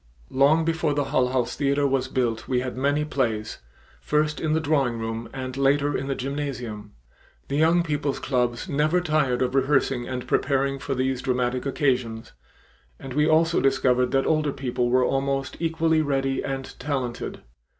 Long before the Hull House theater was built we had many plays, first in the drawing room and later in the gymnasium. The young people's clubs never tired of rehearsing and preparing for these dramatic occasions, and we also discovered that older people were almost equally ready and talented.